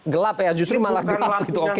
gelap ya justru malah gelap gitu oke